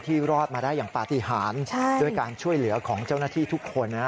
รอดมาได้อย่างปฏิหารด้วยการช่วยเหลือของเจ้าหน้าที่ทุกคนนะ